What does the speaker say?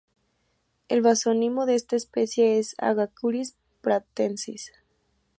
El basónimo de esta especie es "Agaricus pratensis" Fr.